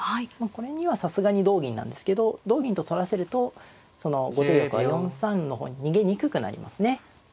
これにはさすがに同銀なんですけど同銀と取らせると後手玉は４三の方に逃げにくくなりますね。